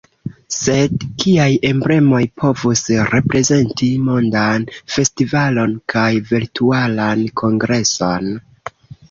Sed kiaj emblemoj povus reprezenti mondan festivalon kaj virtualan kongreson?